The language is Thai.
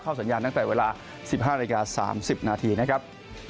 สัญญาณตั้งแต่เวลา๑๕นาที๓๐นาทีนะครับ